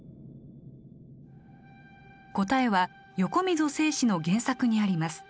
答えは横溝正史の原作にあります。